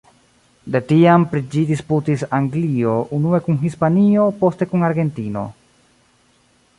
De tiam pri ĝi disputis Anglio unue kun Hispanio, poste kun Argentino.